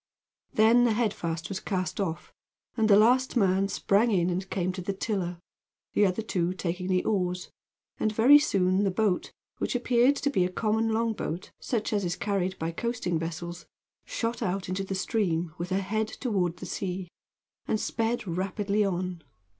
Then the head fast was cast off, and the last man sprang in and came to the tiller, the other two taking the oars, and very soon the boat, which appeared to be a common long boat, such as is carried by coasting vessels, shot out into the stream, with her head toward the sea, and sped rapidly on.